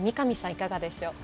いかがでしょう？